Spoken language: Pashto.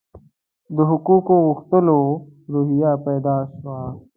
حقوقو د غوښتلو روحیه پیدا شوه.